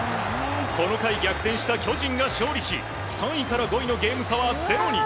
この回逆転した巨人が勝利し３位から５位のゲーム差はゼロに。